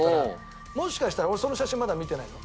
もしかしたら俺その写真まだ見てないのよ。